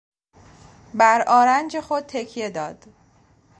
بر آرنج خود تکه داد.